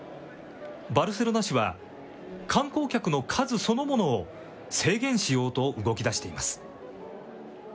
バルセロナ市は、観光客の数そのものを制限しようと動きだしています。